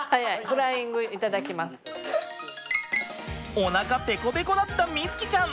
おなかペコペコだった瑞己ちゃん